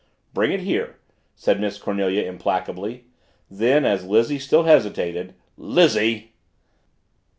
"Bring it here!" said Miss Cornelia implacably; then as Lizzie still hesitated, "Lizzie!"